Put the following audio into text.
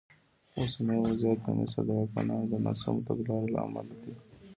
اوسنی وضعیت د مصر د واکمنانو د ناسمو تګلارو له امله دی.